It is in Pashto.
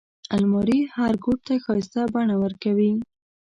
الماري هر کوټ ته ښايسته بڼه ورکوي